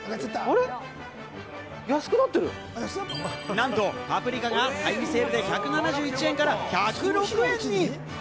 なんとパプリカがタイムセールで１７１円から１０６円に。